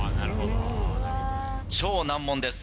超難問です。